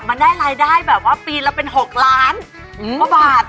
มันได้รายได้แบบว่าปีละเป็น๖ล้านกว่าบาท